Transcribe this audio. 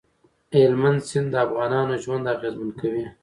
هلمند سیند د افغانانو ژوند اغېزمن کوي.